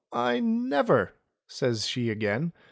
I never!" says she again.